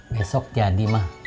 besok jadi mah